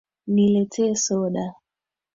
Niletee soda